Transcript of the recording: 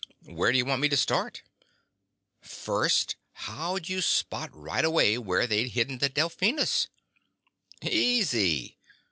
"Where do you want me to start?" "First, how'd you spot right away where they'd hidden the Delphinus?" "Easy.